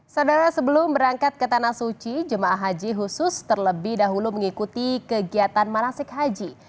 saudara sebelum berangkat ke tanah suci jemaah haji khusus terlebih dahulu mengikuti kegiatan manasik haji